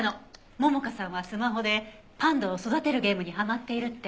桃香さんはスマホでパンダを育てるゲームにハマっているって。